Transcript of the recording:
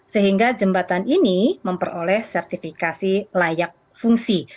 sehingga jembatan ini memperoleh sertifikasi layak fungsi